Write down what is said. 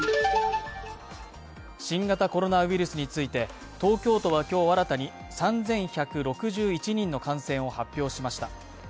新型コロナウイルスについて東京都は今日、新たに３１６１人の感染を発表しました。